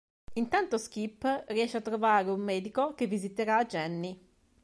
Intanto Skip riesce a trovare un medico che visiterà Jenny.